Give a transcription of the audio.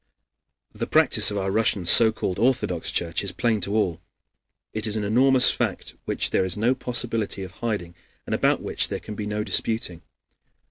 The practice of our Russian so called Orthodox Church is plain to all. It is an enormous fact which there is no possibility of hiding and about which there can be no disputing.